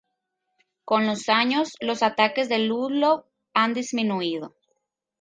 Con los años los ataques de Ludlow han disminuido.